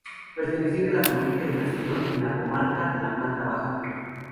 Perteneciente a la provincia de Castellón, en la comarca la Plana Baja.